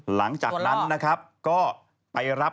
หลังจากนั้นนะครับก็ไปรับ